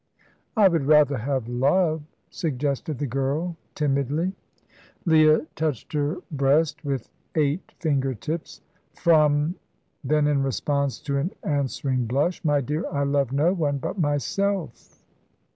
"I would rather have love," suggested the girl, timidly. Leah touched her breast with eight finger tips. "From " Then in response to an answering blush: "My dear, I love no one but myself."